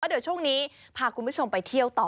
เดี๋ยวช่วงนี้พาคุณผู้ชมไปเที่ยวต่อ